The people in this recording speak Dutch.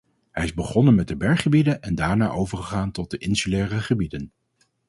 Hij is begonnen met de berggebieden en daarna overgegaan tot de insulaire gebieden.